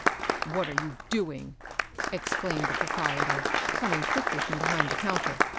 " What are you doing ?" exclaimed the propri etor, coming quickly from behind the counter.